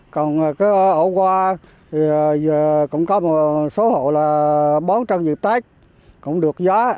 còn ổ qua cũng có một số hộ bón trân dịp tết cũng được giá